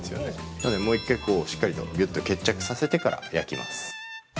なので、もう一回しっかりとぎゅっと結着させてから焼きます。